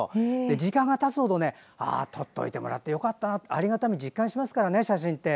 時間がたつほどとっておいてもらってよかったとありがたみを実感しますからね写真って。